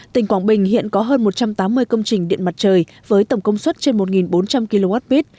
tỉnh quảng bình hiện có hơn một trăm tám mươi công trình điện mặt trời với tổng công suất trên một bốn trăm linh kwh